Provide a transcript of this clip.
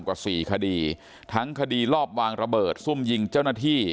กว่าสี่คดีทั้งคดีรอบวางระเบิดซุ่มยิงเจ้าหน้าที่